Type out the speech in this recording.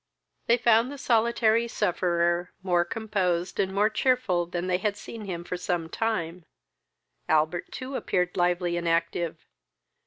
They found the solitary sufferer more composed and more cheerful than they had seen him for some time; Albert too appeared lively and active.